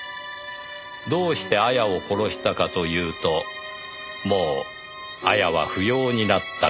「どうして亞矢を殺したかというともう亞矢は不要になったからです」